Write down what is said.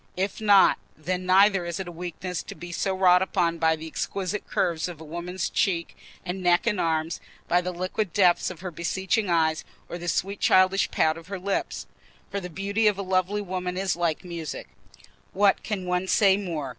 If not, then neither is it a weakness to be so wrought upon by the exquisite curves of a woman's cheek and neck and arms, by the liquid depths of her beseeching eyes, or the sweet childish pout of her lips. For the beauty of a lovely woman is like music: what can one say more?